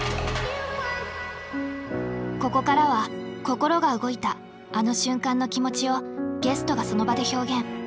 ここからは心が動いたあの瞬間の気持ちをゲストがその場で表現。